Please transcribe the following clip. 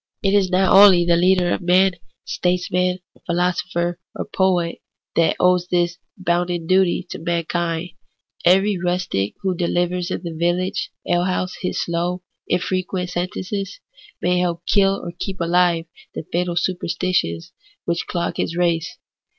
It is not only the leader of men, statesman, philo sopher, or poet, that owes this bounden duty to man kind. Every rustic who delivers in the village alehouse his slow, infrequent sentences, may help to kill or keep ahve the fatal superstitions which clog his race.